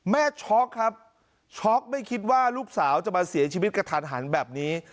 ช็อกครับช็อกไม่คิดว่าลูกสาวจะมาเสียชีวิตกระทันหันแบบนี้